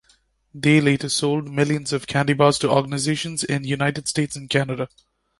They later sold millions of candy bars to organizations in United States and Canada.